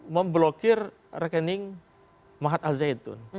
memblokir rekening mahat al zaitun